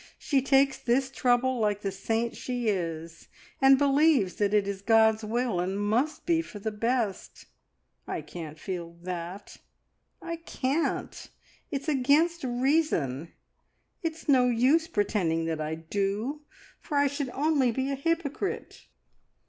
She takes this trouble like the saint she is, and believes that it is God's will, and must be for the best. I can't feel that I can't! It's against reason. It's no use pretending that I do, for I should only be a hypocrite."